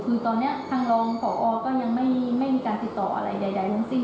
คือตอนนี้ทางรองพอก็ยังไม่มีการติดต่ออะไรใดทั้งสิ้น